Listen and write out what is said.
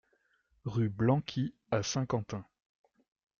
Rue Blanqui à Saint-Quentin